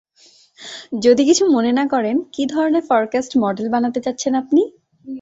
যদি কিছু মনে না করেন, কী ধরনের ফরক্যাস্ট মডেল বানাতে চাচ্ছেন আপনি?